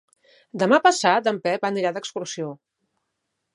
Demà passat en Pep anirà d'excursió.